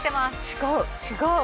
違う違う！